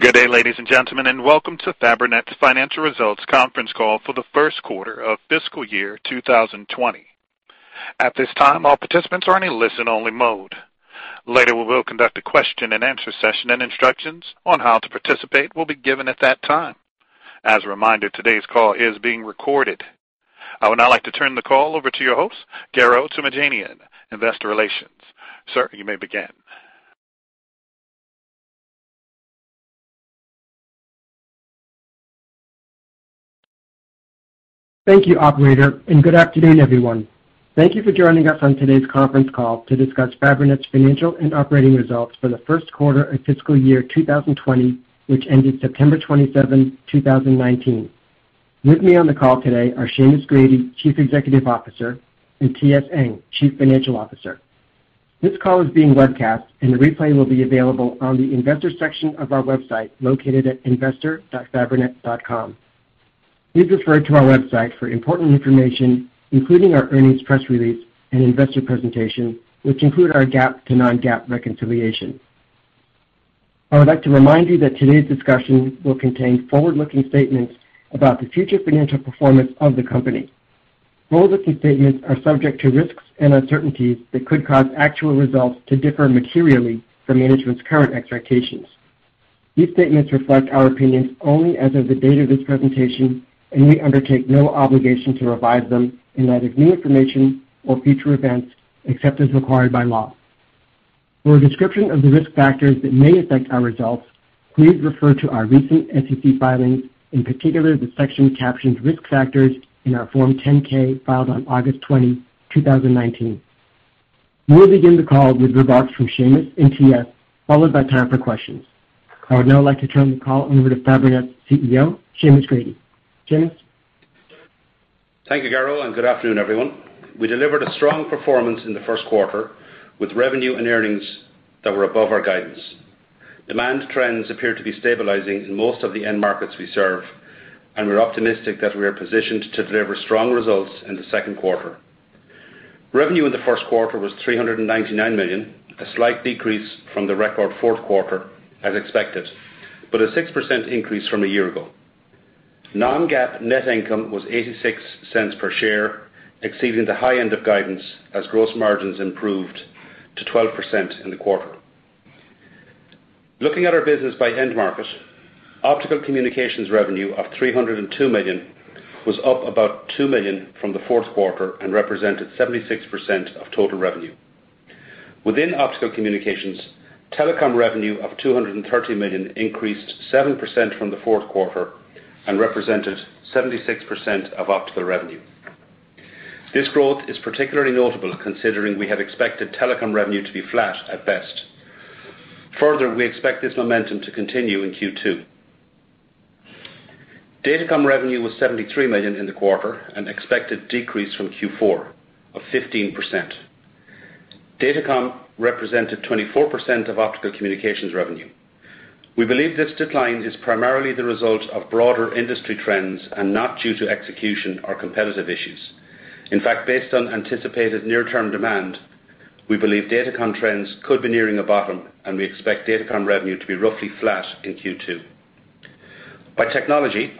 Good day, ladies and gentlemen, and welcome to Fabrinet's financial results conference call for the first quarter of fiscal year 2020. At this time, all participants are in a listen-only mode. Later, we will conduct a question and answer session, and instructions on how to participate will be given at that time. As a reminder, today's call is being recorded. I would now like to turn the call over to your host, Garo Toomajanian, Investor Relations. Sir, you may begin. Thank you, operator, and good afternoon, everyone. Thank you for joining us on today's conference call to discuss Fabrinet's financial and operating results for the first quarter of fiscal year 2020, which ended September 27th, 2019. With me on the call today are Seamus Grady, Chief Executive Officer, and Toh-Seng Ng, Chief Financial Officer. This call is being webcast, and the replay will be available on the investor section of our website located at investor.fabrinet.com. Please refer to our website for important information, including our earnings press release and investor presentation, which include our GAAP to non-GAAP reconciliation. I would like to remind you that today's discussion will contain forward-looking statements about the future financial performance of the company. Forward-looking statements are subject to risks and uncertainties that could cause actual results to differ materially from management's current expectations. These statements reflect our opinions only as of the date of this presentation, and we undertake no obligation to revise them in light of new information or future events, except as required by law. For a description of the risk factors that may affect our results, please refer to our recent SEC filings, in particular the section captioned "Risk Factors" in our Form 10-K filed on August 20, 2019. We will begin the call with remarks from Seamus and TS, followed by time for questions. I would now like to turn the call over to Fabrinet's CEO, Seamus Grady. Seamus? Thank you, Garo Toomajanian. Good afternoon, everyone. We delivered a strong performance in the first quarter with revenue and earnings that were above our guidance. Demand trends appear to be stabilizing in most of the end markets we serve. We're optimistic that we are positioned to deliver strong results in the second quarter. Revenue in the first quarter was $399 million, a slight decrease from the record fourth quarter as expected, but a 6% increase from a year ago. Non-GAAP net income was $0.86 per share, exceeding the high end of guidance as gross margins improved to 12% in the quarter. Looking at our business by end market, optical communications revenue of $302 million was up about $2 million from the fourth quarter and represented 76% of total revenue. Within optical communications, telecom revenue of $230 million increased 7% from the fourth quarter and represented 76% of optical revenue. This growth is particularly notable considering we had expected telecom revenue to be flat at best. We expect this momentum to continue in Q2. Datacom revenue was $73 million in the quarter, an expected decrease from Q4 of 15%. Datacom represented 24% of optical communications revenue. We believe this decline is primarily the result of broader industry trends and not due to execution or competitive issues. Based on anticipated near-term demand, we believe datacom trends could be nearing a bottom, and we expect datacom revenue to be roughly flat in Q2. By technology,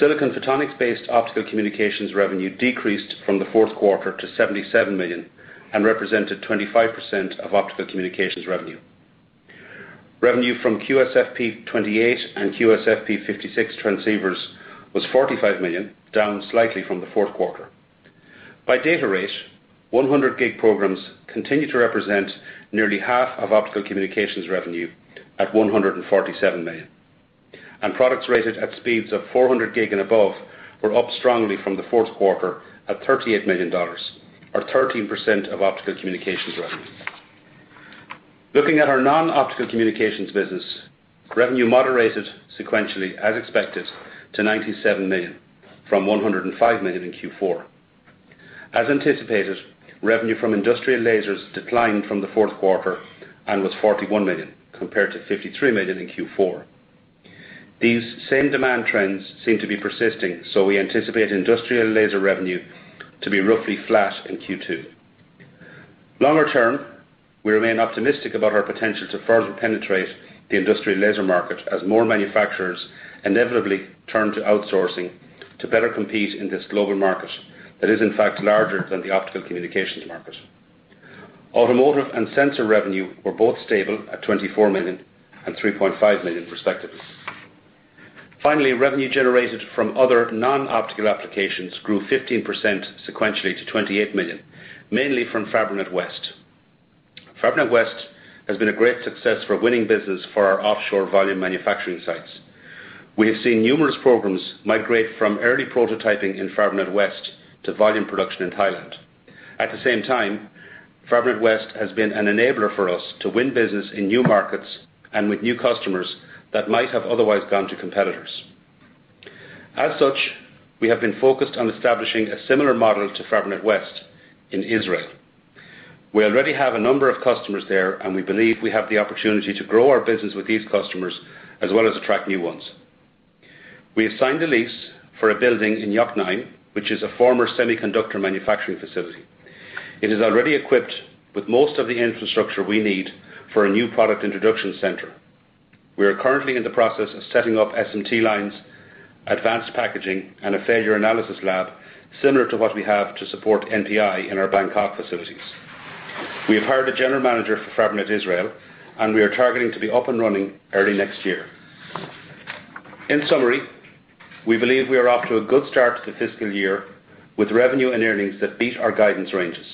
silicon photonics-based optical communications revenue decreased from the fourth quarter to $77 million and represented 25% of optical communications revenue. Revenue from QSFP28 and QSFP56 transceivers was $45 million, down slightly from the fourth quarter. By data rate, 100G programs continue to represent nearly half of optical communications revenue at $147 million. Products rated at speeds of 400G and above were up strongly from the fourth quarter at $38 million, or 13% of optical communications revenue. Looking at our non-optical communications business, revenue moderated sequentially as expected to $97 million from $105 million in Q4. As anticipated, revenue from industrial lasers declined from the fourth quarter and was $41 million compared to $53 million in Q4. These same demand trends seem to be persisting, so we anticipate industrial laser revenue to be roughly flat in Q2. Longer term, we remain optimistic about our potential to further penetrate the industrial laser market as more manufacturers inevitably turn to outsourcing to better compete in this global market that is, in fact, larger than the optical communications market. Automotive and sensor revenue were both stable at $24 million and $3.5 million respectively. Finally, revenue generated from other non-optical applications grew 15% sequentially to $28 million, mainly from Fabrinet West. Fabrinet West has been a great success for winning business for our offshore volume manufacturing sites. We have seen numerous programs migrate from early prototyping in Fabrinet West to volume production in Thailand. At the same time, Fabrinet West has been an enabler for us to win business in new markets and with new customers that might have otherwise gone to competitors. As such, we have been focused on establishing a similar model to Fabrinet West in Israel. We already have a number of customers there, and we believe we have the opportunity to grow our business with these customers, as well as attract new ones. We have signed a lease for a building in Yokneam, which is a former semiconductor manufacturing facility. It is already equipped with most of the infrastructure we need for a new product introduction center. We are currently in the process of setting up SMT lines, advanced packaging, and a failure analysis lab similar to what we have to support NPI in our Bangkok facilities. We have hired a general manager for Fabrinet Israel, and we are targeting to be up and running early next year. In summary, we believe we are off to a good start to the fiscal year, with revenue and earnings that beat our guidance ranges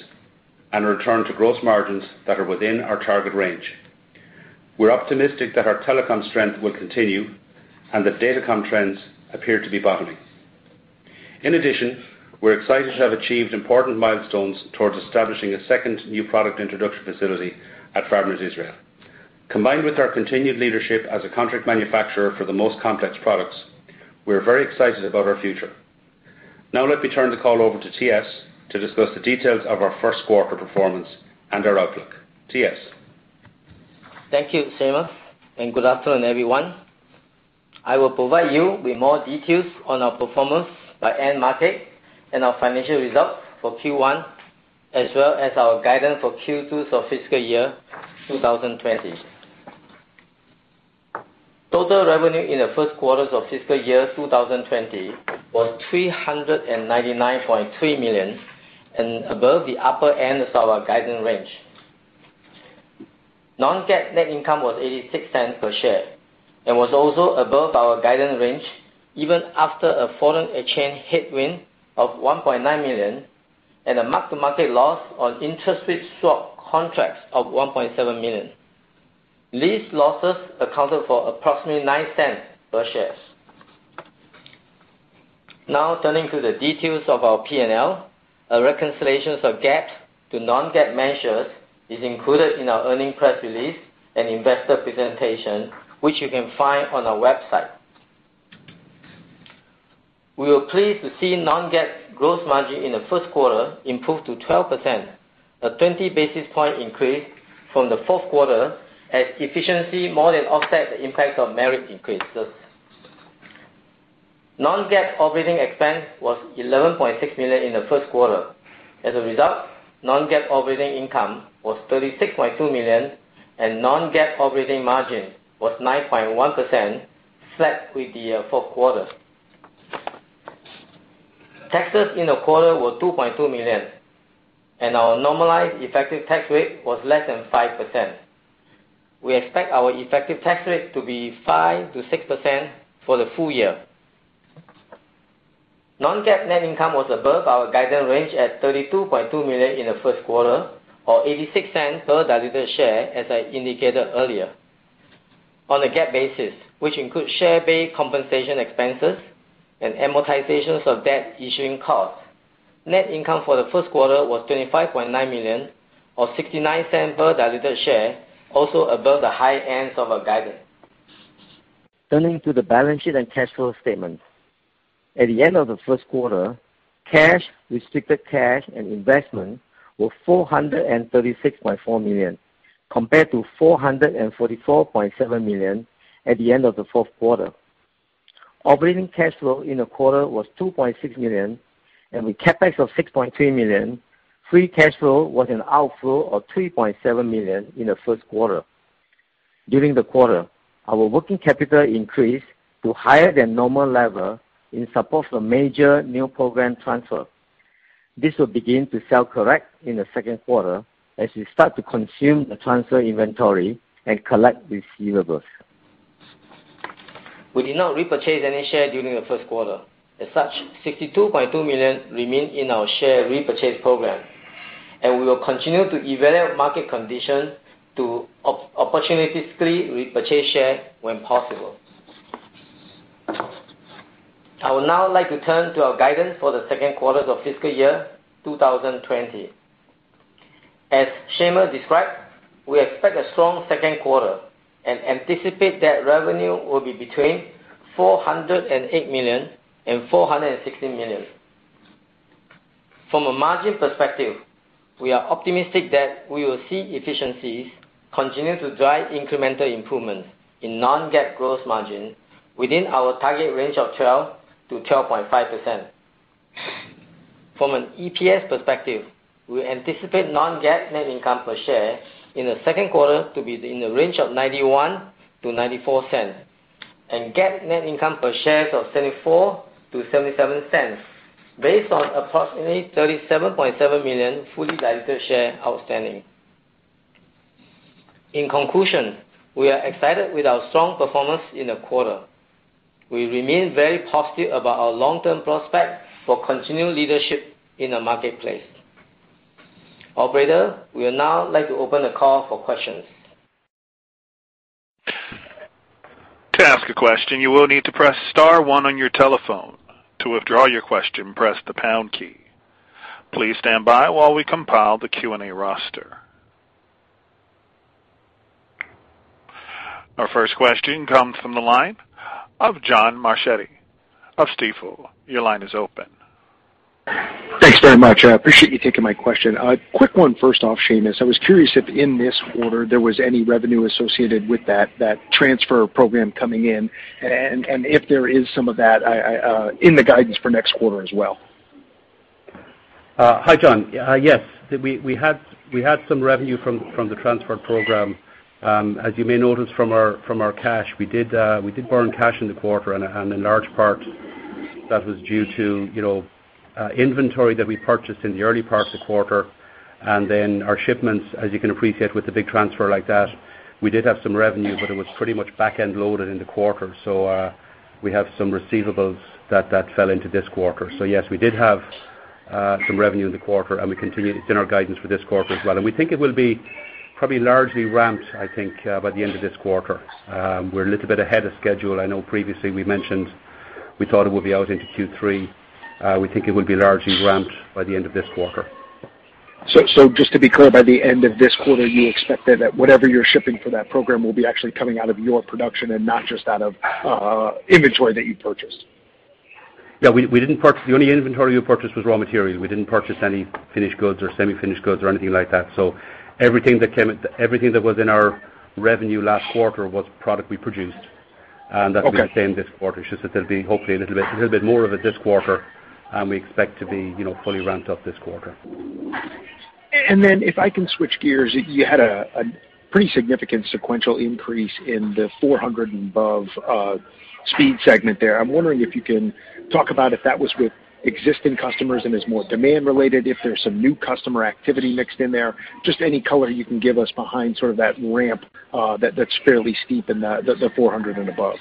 and a return to gross margins that are within our target range. We're optimistic that our telecom strength will continue and that datacom trends appear to be bottoming. We're excited to have achieved important milestones towards establishing a second new product introduction facility at Fabrinet Israel. Combined with our continued leadership as a contract manufacturer for the most complex products, we are very excited about our future. Let me turn the call over to TS to discuss the details of our first quarter performance and our outlook. TS. Thank you, Seamus. Good afternoon, everyone. I will provide you with more details on our performance by end market and our financial results for Q1, as well as our guidance for Q2 of fiscal year 2020. Total revenue in the first quarter of fiscal year 2020 was $399.3 million, above the upper end of our guidance range. Non-GAAP net income was $0.86 per share, also above our guidance range, even after a foreign exchange headwind of $1.9 million and a mark-to-market loss on interest rate swap contracts of $1.7 million. These losses accounted for approximately $0.09 per share. Turning to the details of our P&L. A reconciliations of GAAP to non-GAAP measures is included in our earning press release and investor presentation, which you can find on our website. We were pleased to see non-GAAP gross margin in the first quarter improve to 12%, a 20 basis points increase from the fourth quarter as efficiency more than offset the impact of merit increases. Non-GAAP operating expense was $11.6 million in the first quarter. Non-GAAP operating income was $36.2 million, and non-GAAP operating margin was 9.1%, flat with the fourth quarter. Taxes in the quarter were $2.2 million, and our normalized effective tax rate was less than 5%. We expect our effective tax rate to be 5%-6% for the full year. Non-GAAP net income was above our guidance range at $32.2 million in the first quarter, or $0.86 per diluted share, as I indicated earlier. On a GAAP basis, which includes share-based compensation expenses and amortizations of debt issuing costs, net income for the first quarter was $25.9 million or $0.69 per diluted share, also above the high end of our guidance. Turning to the balance sheet and cash flow statement. At the end of the first quarter, cash, restricted cash, and investment were $436.4 million, compared to $444.7 million at the end of the fourth quarter. Operating cash flow in the quarter was $2.6 million, and with CapEx of $6.3 million, free cash flow was an outflow of $3.7 million in the first quarter. During the quarter, our working capital increased to higher than normal level in support of a major new program transfer. This will begin to self-correct in the second quarter as we start to consume the transfer inventory and collect receivables. We did not repurchase any share during the first quarter. As such, $62.2 million remain in our share repurchase program, and we will continue to evaluate market conditions to opportunistically repurchase shares when possible. I would now like to turn to our guidance for the second quarter of fiscal year 2020. As Seamus described, we expect a strong second quarter and anticipate that revenue will be between $408 million and $416 million. From a margin perspective, we are optimistic that we will see efficiencies continue to drive incremental improvements in non-GAAP gross margin within our target range of 12%-12.5%. From an EPS perspective, we anticipate non-GAAP net income per share in the second quarter to be in the range of $0.91-$0.94 and GAAP net income per share of $0.74-$0.77 based on approximately 37.7 million fully diluted shares outstanding. In conclusion, we are excited with our strong performance in the quarter. We remain very positive about our long-term prospects for continued leadership in the marketplace. Operator, we would now like to open the call for questions. To ask a question, you will need to press *1 on your telephone. To withdraw your question, press the # key. Please stand by while we compile the Q&A roster. Our first question comes from the line of John Marchetti of Stifel. Your line is open. Thanks very much. I appreciate you taking my question. A quick one first off, Seamus, I was curious if in this quarter there was any revenue associated with that transfer program coming in, and if there is some of that in the guidance for next quarter as well. Hi, John. Yes. We had some revenue from the transfer program. As you may notice from our cash, we did burn cash in the quarter, and in large part that was due to inventory that we purchased in the early part of the quarter, and then our shipments, as you can appreciate with the big transfer like that, we did have some revenue, but it was pretty much backend loaded in the quarter. We have some receivables that fell into this quarter. Yes, we did have some revenue in the quarter, and it's in our guidance for this quarter as well. We think it will be probably largely ramped, I think, by the end of this quarter. We're a little bit ahead of schedule. I know previously we mentioned we thought it would be out into Q3. We think it will be largely ramped by the end of this quarter. Just to be clear, by the end of this quarter, you expect that whatever you're shipping for that program will be actually coming out of your production and not just out of inventory that you purchased? Yeah. The only inventory we purchased was raw materials. We didn't purchase any finished goods or semi-finished goods or anything like that. Everything that was in our revenue last quarter was product we produced. Okay That will be the same this quarter. It's just that there'll be hopefully a little bit more of it this quarter, and we expect to be fully ramped up this quarter. If I can switch gears, you had a pretty significant sequential increase in the 400 and above speed segment there. I'm wondering if you can talk about if that was with existing customers and is more demand related, if there's some new customer activity mixed in there, just any color you can give us behind sort of that ramp that's fairly steep in the 400 and above.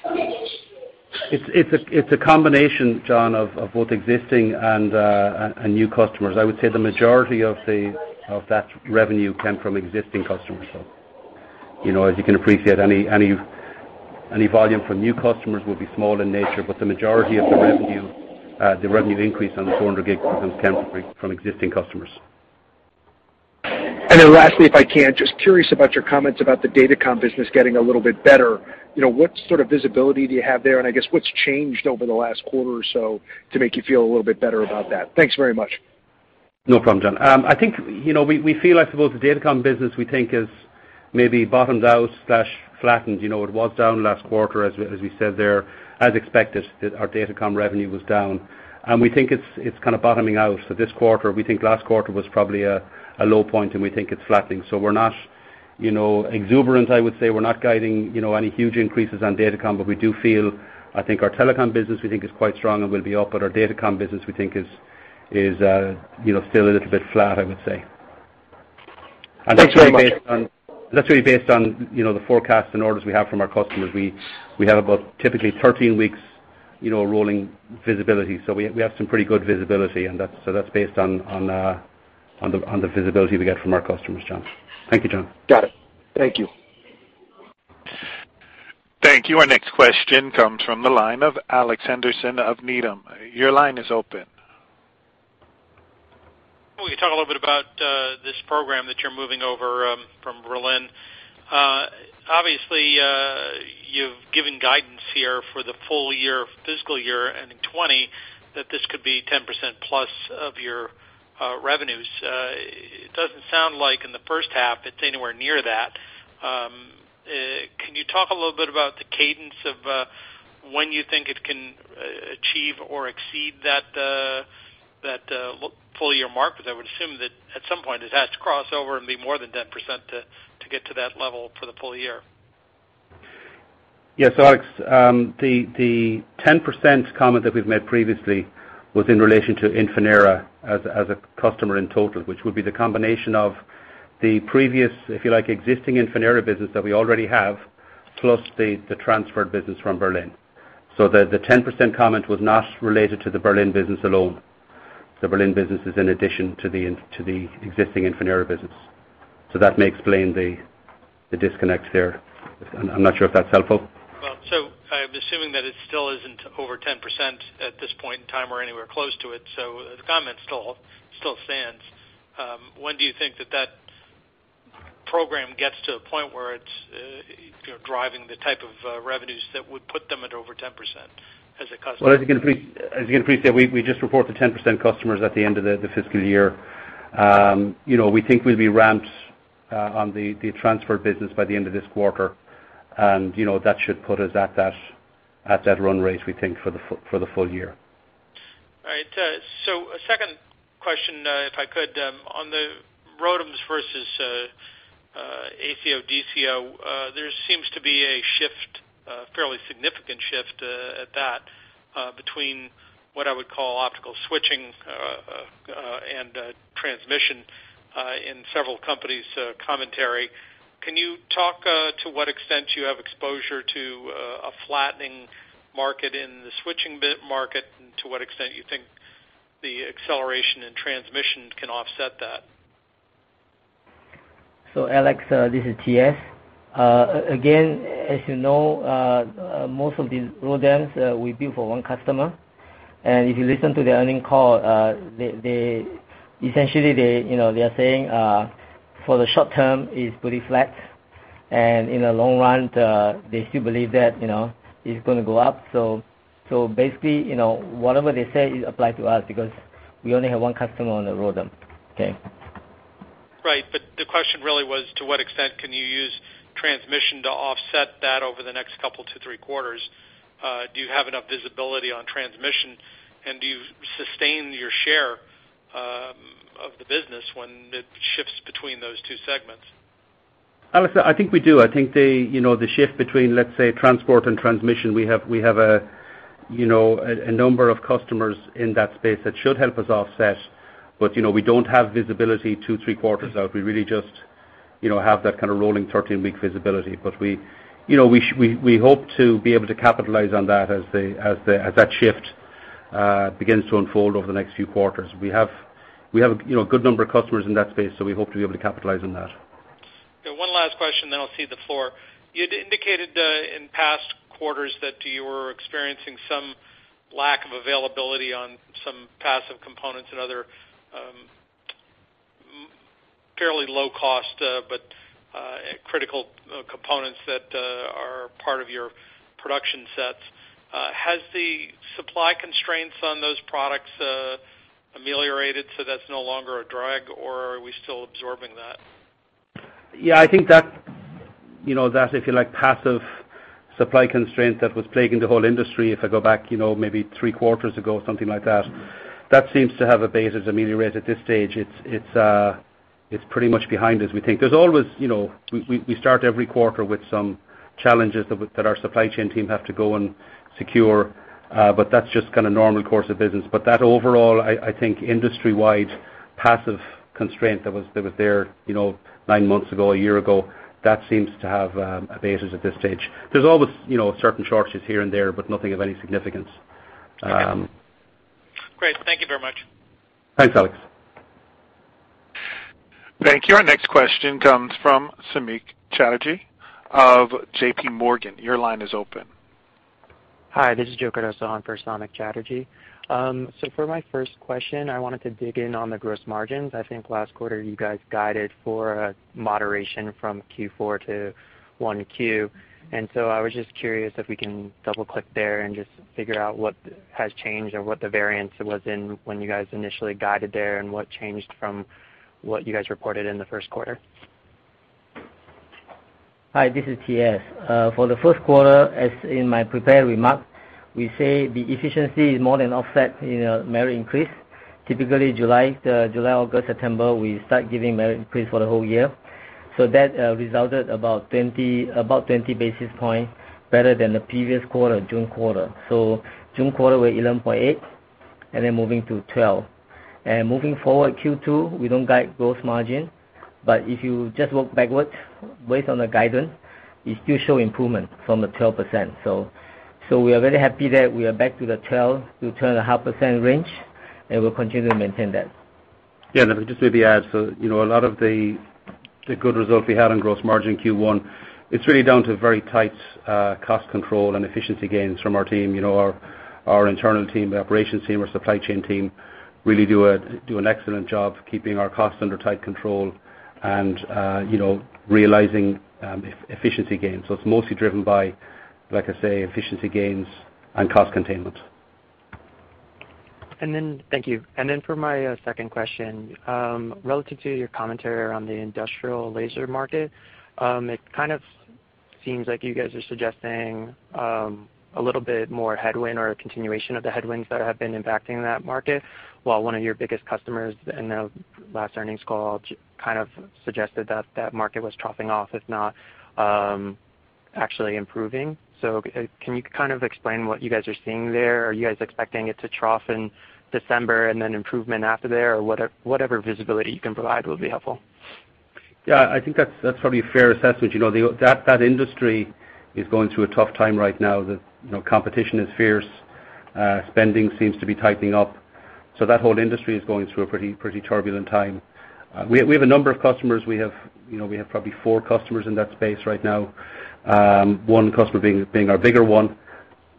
It's a combination, John, of both existing and new customers. I would say the majority of that revenue came from existing customers, so. As you can appreciate, any volume from new customers will be small in nature, but the majority of the revenue increase on the 400G systems came from existing customers. Lastly, if I can, just curious about your comments about the datacom business getting a little bit better. What sort of visibility do you have there, and I guess what's changed over the last quarter or so to make you feel a little bit better about that? Thanks very much. No problem, John. I think, we feel I suppose the datacom business we think has maybe bottomed out/flattened. It was down last quarter as we said there, as expected, our datacom revenue was down. We think it's kind of bottoming out. This quarter, we think last quarter was probably a low point, and we think it's flattening. We're not exuberant, I would say. We're not guiding any huge increases on datacom. We do feel, I think our telecom business we think is quite strong and will be up. Our datacom business we think is still a little bit flat, I would say. Thanks very much. That's really based on the forecast and orders we have from our customers. We have about typically 13 weeks rolling visibility. We have some pretty good visibility, that's based on the visibility we get from our customers, John. Thank you, John. Got it. Thank you. Thank you. Our next question comes from the line of Alex Henderson of Needham. Your line is open. Can you talk a little bit about this program that you're moving over from Berlin? Obviously, you've given guidance here for the full year, fiscal year ending 2020, that this could be 10% plus of your revenues. It doesn't sound like in the first half it's anywhere near that. Can you talk a little bit about the cadence of when you think it can achieve or exceed that full year mark? I would assume that at some point it has to cross over and be more than 10% to get to that level for the full year. Yes. Alex, the 10% comment that we've made previously was in relation to Infinera as a customer in total, which would be the combination of the previous, if you like, existing Infinera business that we already have, plus the transferred business from Berlin. The 10% comment was not related to the Berlin business alone. The Berlin business is in addition to the existing Infinera business. That may explain the disconnect there. I'm not sure if that's helpful. I'm assuming that it still isn't over 10% at this point in time or anywhere close to it. The comment still stands. When do you think that that program gets to a point where it's driving the type of revenues that would put them at over 10% as a customer? Well, as you can appreciate, we just report the 10% customers at the end of the fiscal year. We think we'll be ramped on the transfer business by the end of this quarter, and that should put us at that run rate, we think, for the full year. All right. A second question, if I could, on the ROADMs versus ACO/DCO, there seems to be a shift, a fairly significant shift at that, between what I would call optical switching and transmission, in several companies' commentary. Can you talk to what extent you have exposure to a flattening market in the switching bit market, and to what extent you think the acceleration in transmission can offset that? Alex, this is TS. Again, as you know, most of these ROADMs we build for one customer. If you listen to the earnings call, they. Essentially, they are saying for the short term, it's pretty flat, and in the long run, they still believe that it's going to go up. Basically, whatever they say applies to us because we only have one customer on the ROADMs Okay. Right. The question really was, to what extent can you use transmission to offset that over the next couple to three quarters? Do you have enough visibility on transmission? Do you sustain your share of the business when it shifts between those two segments? Alex, I think we do. I think the shift between, let's say, transport and transmission, we have a number of customers in that space that should help us offset. We don't have visibility two, three quarters out. We really just have that kind of rolling 13-week visibility. We hope to be able to capitalize on that as that shift begins to unfold over the next few quarters. We have a good number of customers in that space, we hope to be able to capitalize on that. Yeah. one last question, then I'll cede the floor. You'd indicated in past quarters that you were experiencing some lack of availability on some passive components and other fairly low-cost but critical components that are part of your production sets. Has the supply constraints on those products ameliorated, so that's no longer a drag, or are we still absorbing that? I think that, if you like, passive supply constraint that was plaguing the whole industry, if I go back maybe three quarters ago, something like that seems to have abated, ameliorated at this stage. It's pretty much behind us, we think. We start every quarter with some challenges that our supply chain team have to go and secure, but that's just kind of normal course of business. That overall, I think industry-wide passive constraint that was there nine months ago, one year ago, that seems to have abated at this stage. There's always certain shortages here and there, but nothing of any significance. Great. Thank you very much. Thanks, Alex. Thank you. Our next question comes from Samik Chatterjee of JP Morgan. Your line is open. Hi, this is Joseph Cardoso on for Samik Chatterjee. For my first question, I wanted to dig in on the gross margins. I think last quarter you guys guided for a moderation from Q4 to 1Q. I was just curious if we can double-click there and just figure out what has changed or what the variance was in when you guys initially guided there and what changed from what you guys reported in the first quarter. Hi, this is TS. For the first quarter, as in my prepared remarks, we say the efficiency is more than offset in a merit increase. Typically July, August, September, we start giving merit increase for the whole year. That resulted about 20 basis points better than the previous quarter, June quarter. June quarter, we're 11.8, and then moving to 12. Moving forward, Q2, we don't guide gross margin, but if you just work backwards based on the guidance, it still shows improvement from the 12%. We are very happy that we are back to the 12%-12.5% range, and we'll continue to maintain that. Yeah, if I could just maybe add, a lot of the good results we had on gross margin Q1, it's really down to very tight cost control and efficiency gains from our team. Our internal team, the operations team, our supply chain team, really do an excellent job keeping our costs under tight control and realizing efficiency gains. It's mostly driven by, like I say, efficiency gains and cost containment. Thank you. For my second question, relative to your commentary around the industrial laser market, it kind of seems like you guys are suggesting a little bit more headwind or a continuation of the headwinds that have been impacting that market, while one of your biggest customers in the last earnings call kind of suggested that that market was troughing off, if not actually improving. Can you kind of explain what you guys are seeing there? Are you guys expecting it to trough in December and then improvement after there, or whatever visibility you can provide will be helpful. Yeah, I think that's probably a fair assessment. That industry is going through a tough time right now. Competition is fierce. Spending seems to be tightening up. That whole industry is going through a pretty turbulent time. We have a number of customers. We have probably four customers in that space right now, one customer being our bigger one.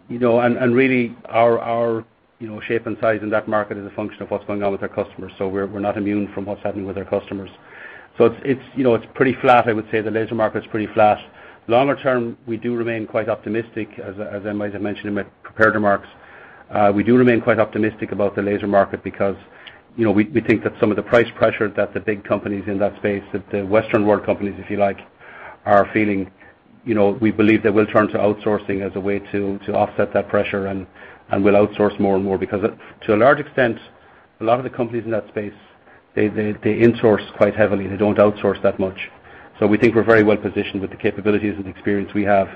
Really our shape and size in that market is a function of what's going on with our customers. We're not immune from what's happening with our customers. It's pretty flat, I would say. The laser market's pretty flat. Longer term, we do remain quite optimistic, as I might have mentioned in my prepared remarks. We do remain quite optimistic about the laser market because we think that some of the price pressure that the big companies in that space, that the Western world companies, if you like, are feeling. We believe they will turn to outsourcing as a way to offset that pressure and will outsource more and more. To a large extent, a lot of the companies in that space, they insource quite heavily. They don't outsource that much. We think we're very well positioned with the capabilities and experience we have.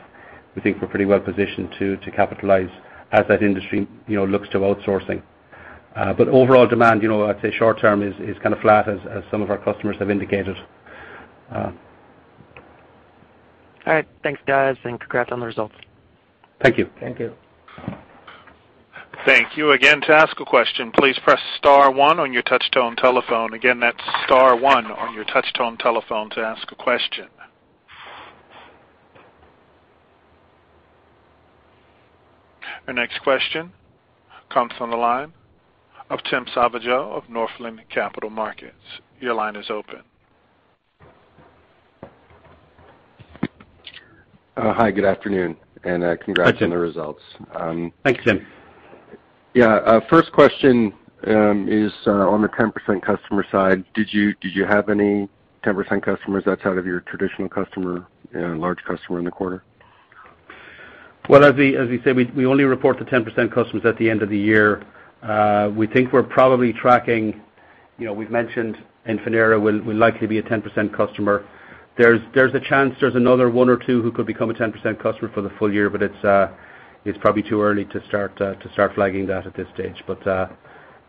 We think we're pretty well positioned to capitalize as that industry looks to outsourcing. Overall demand, I'd say short term is kind of flat, as some of our customers have indicated. All right. Thanks, guys, and congrats on the results. Thank you. Thank you. Thank you. Again, to ask a question, please press *1 on your touch-tone telephone. Again, that's *1 on your touch-tone telephone to ask a question. Our next question comes from the line of Tim Savageaux of Northland Capital Markets. Your line is open. Hi, good afternoon. Congrats on the results. Thanks, Tim. Yeah. First question is on the 10% customer side. Did you have any 10% customers that's out of your traditional customer, large customer in the quarter? As we said, we only report the 10% customers at the end of the year. We think we're probably tracking, we've mentioned Infinera will likely be a 10% customer. There's a chance there's another one or two who could become a 10% customer for the full year, but it's probably too early to start flagging that at this stage.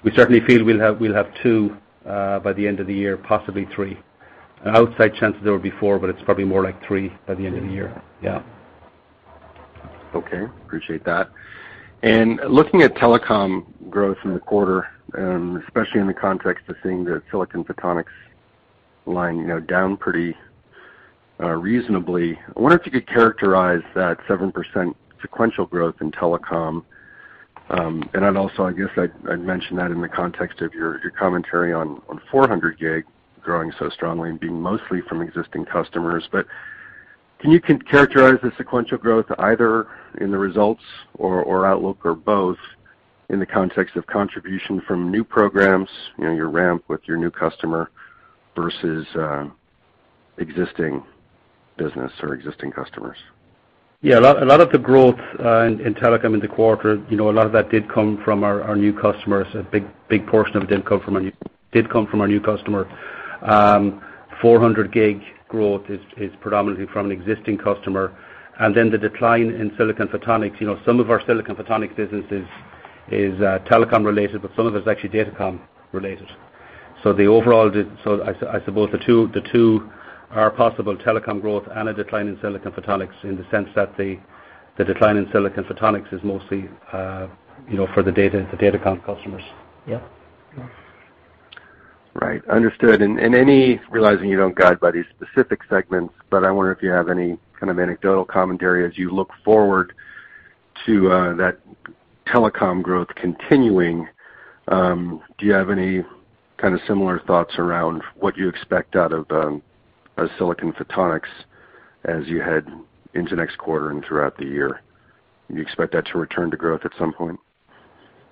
We certainly feel we'll have two by the end of the year, possibly three. An outside chance there will be four, but it's probably more like three by the end of the year. Yeah. Okay. Appreciate that. Looking at telecom growth in the quarter, especially in the context of seeing the silicon photonics line down pretty reasonably, I wonder if you could characterize that 7% sequential growth in telecom? I guess I'd mention that in the context of your commentary on 400G growing so strongly and being mostly from existing customers, can you characterize the sequential growth, either in the results or outlook, or both, in the context of contribution from new programs, your ramp with your new customer, versus existing business or existing customers? Yeah, a lot of the growth in telecom in the quarter, a lot of that did come from our new customers. A big portion of it did come from our new customer. 400G growth is predominantly from an existing customer. The decline in silicon photonics, some of our silicon photonics business is telecom related, but some of it is actually datacom related. I suppose the two are possible, telecom growth and a decline in silicon photonics, in the sense that the decline in silicon photonics is mostly for the datacom customers. Yeah. Right. Understood. Realizing you don't guide by these specific segments, but I wonder if you have any kind of anecdotal commentary as you look forward to that telecom growth continuing. Do you have any kind of similar thoughts around what you expect out of silicon photonics as you head into next quarter and throughout the year? Do you expect that to return to growth at some point?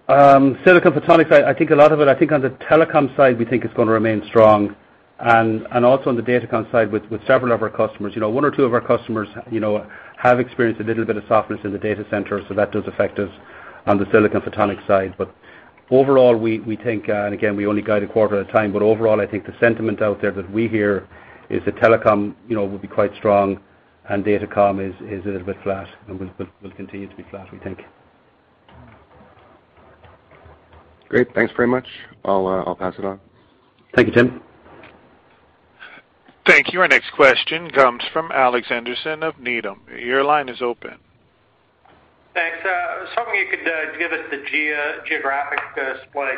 silicon photonics, I think a lot of it, I think on the telecom side, we think it's going to remain strong. Also on the datacom side with several of our customers. One or two of our customers have experienced a little bit of softness in the data center, so that does affect us on the silicon photonics side. Overall, we think, and again, we only guide a quarter at a time, but overall, I think the sentiment out there that we hear is that telecom will be quite strong and datacom is a little bit flat and will continue to be flat, we think. Great. Thanks very much. I'll pass it on. Thank you, Tim. Thank you. Our next question comes from Alex Henderson of Needham. Your line is open. Thanks. I was hoping you could give us the geographic display.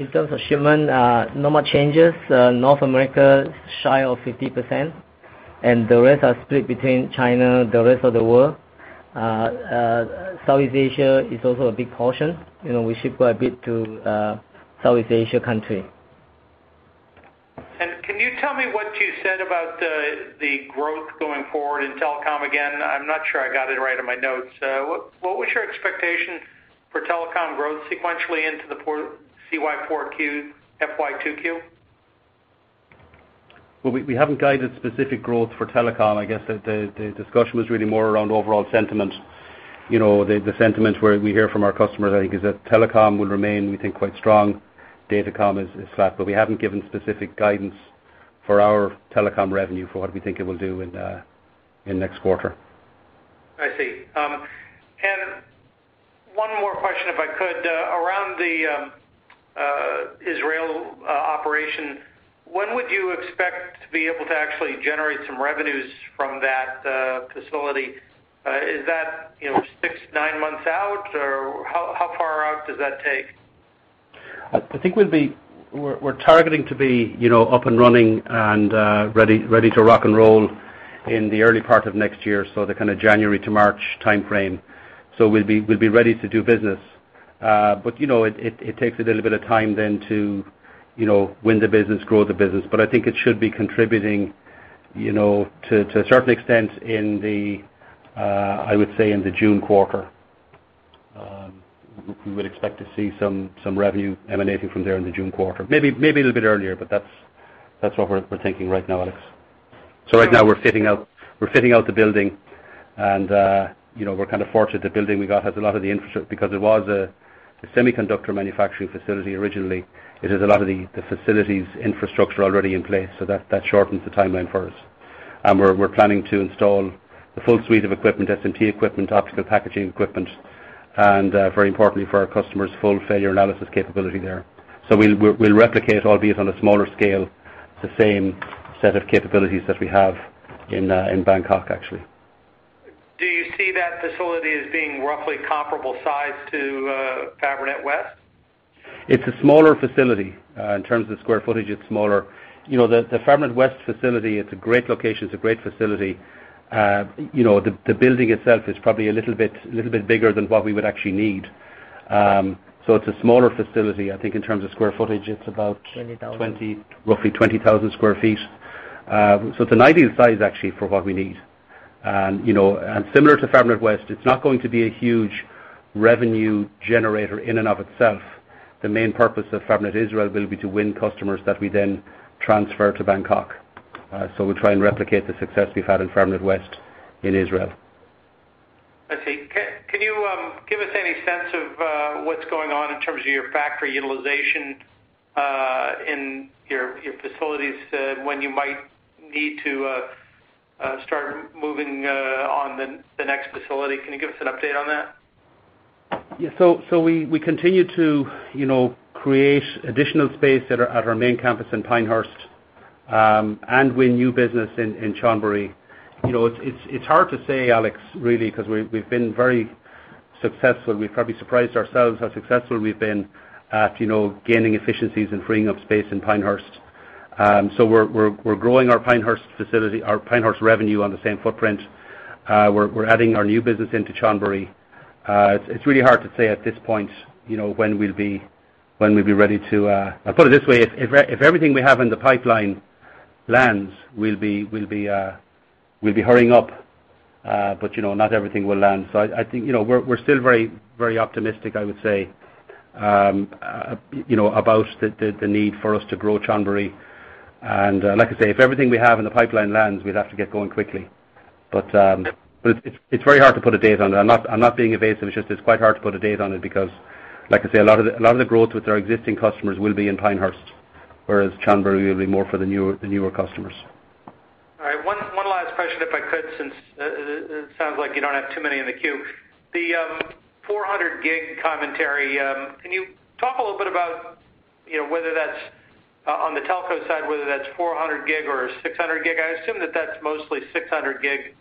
In terms of shipment, no more changes. North America, shy of 50%, and the rest are split between China, the rest of the world. Southeast Asia is also a big portion. We ship quite a bit to Southeast Asia country. Can you tell me what you said about the growth going forward in telecom again? I'm not sure I got it right in my notes. What was your expectation for telecom growth sequentially into the CY4Q, FY2Q? Well, we haven't guided specific growth for telecom. I guess the discussion was really more around overall sentiment. The sentiment where we hear from our customers, I think, is that telecom will remain, we think, quite strong. Datacom is flat, but we haven't given specific guidance for our telecom revenue for what we think it will do in the next quarter. I see. One more question, if I could, around the Israel operation. When would you expect to be able to actually generate some revenues from that facility? Is that six to nine months out, or how far out does that take? I think we're targeting to be up and running and ready to rock and roll in the early part of next year, so the kind of January to March timeframe. We'll be ready to do business. It takes a little bit of time then to win the business, grow the business. I think it should be contributing to a certain extent in the, I would say, in the June quarter. We would expect to see some revenue emanating from there in the June quarter. Maybe a little bit earlier, but that's what we're thinking right now, Alex. Right now we're fitting out the building and we're kind of fortunate. The building we got has a lot of the infrastructure. It was a semiconductor manufacturing facility originally, it has a lot of the facility's infrastructure already in place, so that shortens the timeline for us. We're planning to install the full suite of equipment, SMT equipment, optical packaging equipment, and very importantly for our customers, full failure analysis capability there. We'll replicate all these on a smaller scale, the same set of capabilities that we have in Bangkok, actually. Do you see that facility as being roughly comparable size to Fabrinet West? It's a smaller facility. In terms of square footage, it's smaller. The Fabrinet West facility, it's a great location, it's a great facility. The building itself is probably a little bit bigger than what we would actually need. It's a smaller facility. I think in terms of square footage, it's about. 20,000 roughly 20,000 sq ft. It's an ideal size, actually, for what we need. Similar to Fabrinet West, it's not going to be a huge revenue generator in and of itself. The main purpose of Fabrinet Israel will be to win customers that we then transfer to Bangkok. We'll try and replicate the success we've had in Fabrinet West in Israel. I see. Can you give us any sense of what's going on in terms of your factory utilization in your facilities, when you might need to start moving on the next facility? Can you give us an update on that? Yeah. We continue to create additional space at our main campus in Pinehurst, and win new business in Chonburi. It's hard to say, Alex, really, because we've been very successful. We've probably surprised ourselves how successful we've been at gaining efficiencies and freeing up space in Pinehurst. We're growing our Pinehurst revenue on the same footprint. We're adding our new business into Chonburi. It's really hard to say at this point when we'll be ready to I'll put it this way, if everything we have in the pipeline lands, we'll be hurrying up, not everything will land. I think we're still very optimistic, I would say, about the need for us to grow Chonburi. Like I say, if everything we have in the pipeline lands, we'll have to get going quickly. It's very hard to put a date on it. I'm not being evasive, it's just it's quite hard to put a date on it because, like I say, a lot of the growth with our existing customers will be in Pinehurst, whereas Chonburi will be more for the newer customers. All right. One last question if I could, since it sounds like you don't have too many in the queue. The 400G commentary, can you talk a little bit about on the telco side, whether that's 400G or 600G? I assume that that's mostly 600G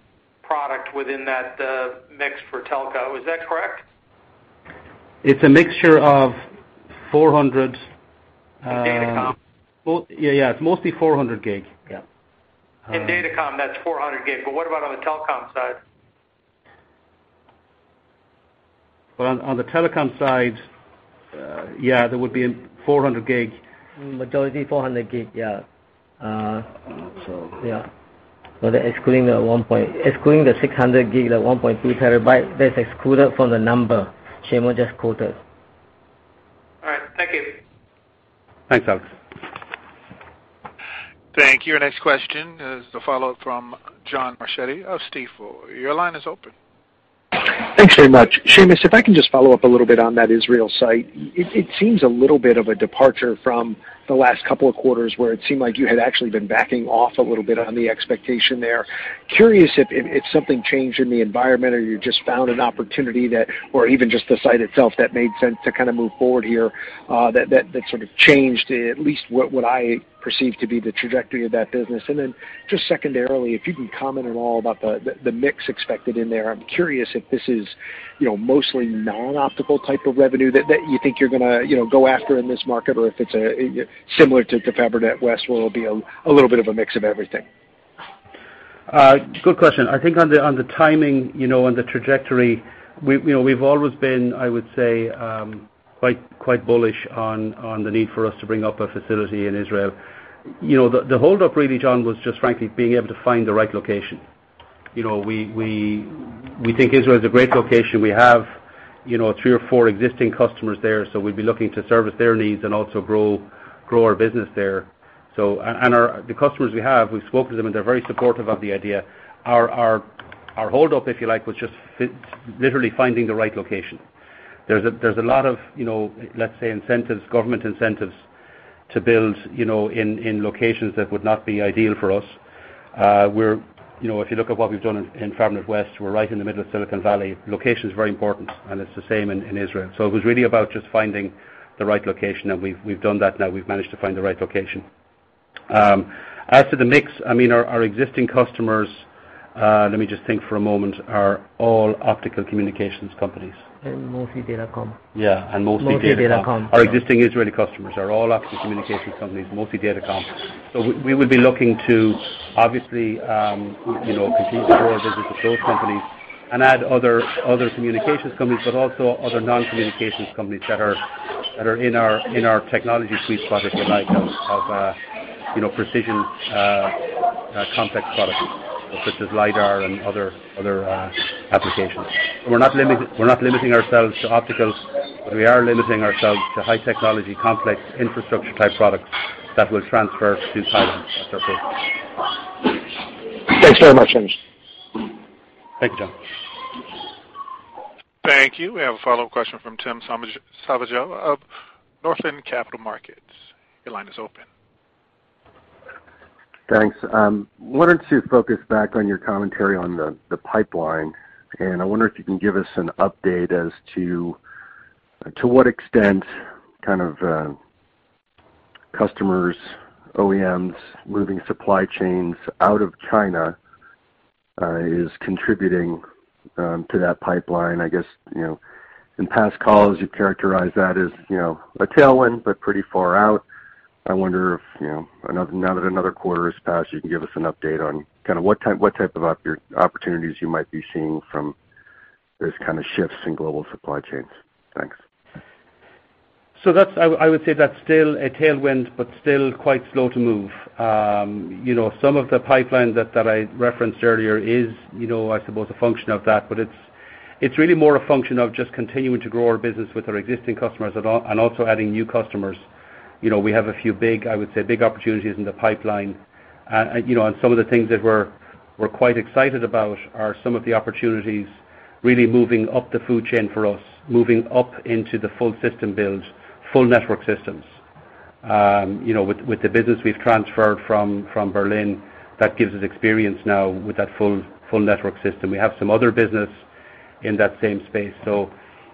product within that mix for telco. Is that correct? It's a mixture of 400. In datacom. Yeah. It's mostly 400G. Yeah. In datacom, that's 400G. What about on the telecom side? Well, on the telecom side, yeah, there would be 400G. Majority 400G, yeah. So. Yeah. Excluding the 600G, the 1.2 terabit, that's excluded from the number Seamus just quoted. All right. Thank you. Thanks, Alex. Thank you. Next question is the follow-up from John Marchetti of Stifel. Your line is open. Thanks very much. Seamus, if I can just follow up a little bit on that Israel site. It seems a little bit of a departure from the last couple of quarters, where it seemed like you had actually been backing off a little bit on the expectation there. Curious if something changed in the environment, or you just found an opportunity, or even just the site itself that made sense to kind of move forward here, that sort of changed at least what I perceive to be the trajectory of that business. Just secondarily, if you can comment at all about the mix expected in there. I'm curious if this is mostly non-optical type of revenue that you think you're going to go after in this market, or if it's similar to Fabrinet West, where it'll be a little bit of a mix of everything. Good question. I think on the timing, on the trajectory, we've always been, I would say, quite bullish on the need for us to bring up a facility in Israel. The hold-up really, John, was just frankly being able to find the right location. We think Israel is a great location. We have three or four existing customers there, so we'd be looking to service their needs and also grow our business there. The customers we have, we've spoken to them, and they're very supportive of the idea. Our hold-up, if you like, was just literally finding the right location. There's a lot of, let's say, incentives, government incentives to build in locations that would not be ideal for us. If you look at what we've done in Fabrinet West, we're right in the middle of Silicon Valley. Location is very important, and it's the same in Israel. It was really about just finding the right location, and we've done that now. We've managed to find the right location. As to the mix, our existing customers, let me just think for a moment, are all optical communications companies. Mostly datacom. Yeah. Mostly datacom. Mostly datacom. Our existing Israeli customers are all optical communications companies, mostly datacom. We would be looking to, obviously, continue to grow our business with those companies and add other communications companies, but also other non-communications companies that are in our technology sweet spot, if you like, of precision complex products, such as LIDAR and other applications. We're not limiting ourselves to opticals, but we are limiting ourselves to high technology, complex infrastructure type products that will transfer to Thailand, if that's okay. Thanks very much, Seamus. Thank you, John. Thank you. We have a follow-up question from Tim Savageaux of Northland Capital Markets. Your line is open. Thanks. I wanted to focus back on your commentary on the pipeline, and I wonder if you can give us an update as to what extent kind of customers, OEMs, moving supply chains out of China is contributing to that pipeline. I guess, in past calls, you characterized that as a tailwind, but pretty far out. I wonder if, now that another quarter has passed, you can give us an update on what type of opportunities you might be seeing from those kind of shifts in global supply chains. Thanks. I would say that's still a tailwind, but still quite slow to move. Some of the pipeline that I referenced earlier is, I suppose, a function of that, but it's really more a function of just continuing to grow our business with our existing customers and also adding new customers. We have a few big, I would say, big opportunities in the pipeline. Some of the things that we're quite excited about are some of the opportunities really moving up the food chain for us, moving up into the full system builds, full network systems. With the business we've transferred from Berlin, that gives us experience now with that full network system. We have some other business in that same space.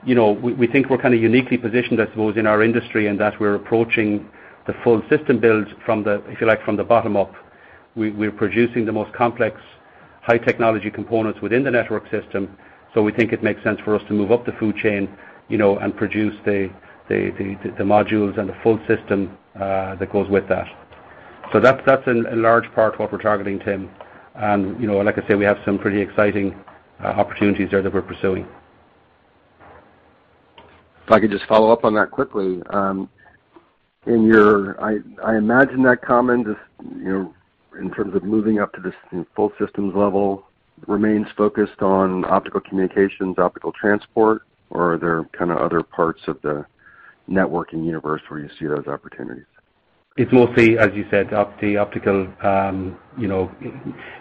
We think we're kind of uniquely positioned, I suppose, in our industry in that we're approaching the full system build from the, if you like, from the bottom up. We're producing the most complex high technology components within the network system. We think it makes sense for us to move up the food chain and produce the modules and the full system that goes with that. That's in large part what we're targeting, Tim. Like I say, we have some pretty exciting opportunities there that we're pursuing. If I could just follow up on that quickly. I imagine that comment, just in terms of moving up to this full systems level, remains focused on optical communications, optical transport, or are there kind of other parts of the networking universe where you see those opportunities? It's mostly, as you said, the optical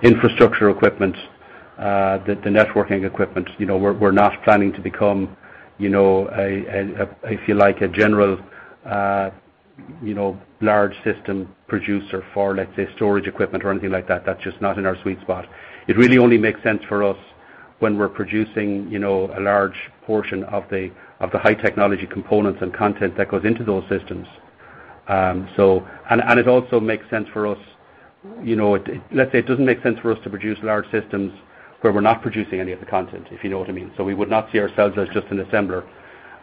infrastructure equipment, the networking equipment. We're not planning to become, if you like, a general large system producer for, let's say, storage equipment or anything like that. That's just not in our sweet spot. It really only makes sense for us when we're producing a large portion of the high technology components and content that goes into those systems. It also makes sense for us, let's say it doesn't make sense for us to produce large systems where we're not producing any of the content, if you know what I mean. We would not see ourselves as just an assembler.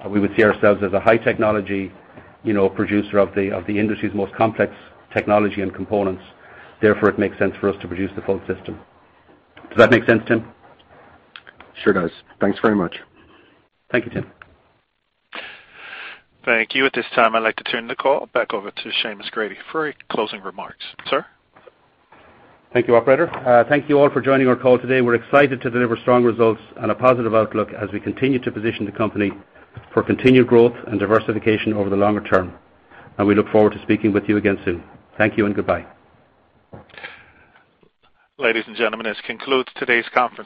We would see ourselves as a high technology producer of the industry's most complex technology and components. Therefore, it makes sense for us to produce the full system. Does that make sense, Tim? Sure does. Thanks very much. Thank you, Tim. Thank you. At this time, I'd like to turn the call back over to Seamus Grady for any closing remarks. Sir? Thank you, operator. Thank you all for joining our call today. We're excited to deliver strong results and a positive outlook as we continue to position the company for continued growth and diversification over the longer term. We look forward to speaking with you again soon. Thank you and goodbye. Ladies and gentlemen, this concludes today's conference.